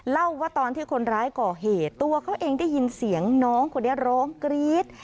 เล่าว่าตอนที่คนร้ายก่อเหตุตัวเขาเองได้ยินเสียงน้องคนนี้ร้องกรี๊ด